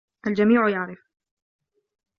الجميع يعرف